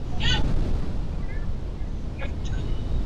拉热斯是巴西圣卡塔琳娜州的一个市镇。